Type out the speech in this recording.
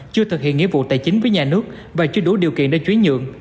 chưa thực hiện nghĩa vụ tài chính với nhà nước và chưa đủ điều kiện để chuyển nhượng